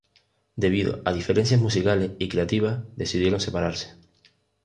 Debido a diferencias musicales y creativas, decidieron separarse.